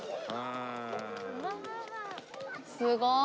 すごーい！